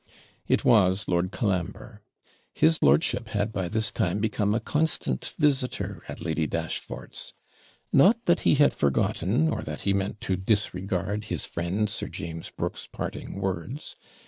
It was Lord Colambre. His lordship had by this time become a constant visitor at Lady Dashfort's. Not that he had forgotten, or that he meant to disregard his friend Sir James Brooke's parting words.